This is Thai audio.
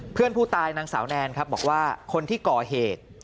เพื่อนผู้ตายนางสาวแนนครับบอกว่าคนที่ก่อเหตุ